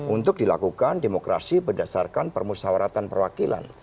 untuk dilakukan demokrasi berdasarkan permusawaratan perwakilan